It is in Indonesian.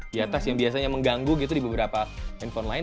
di atas yang biasanya mengganggu gitu di beberapa handphone lain